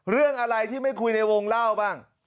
เรื่องอะไรที่ไม่คุยในวงเล่าบ้าง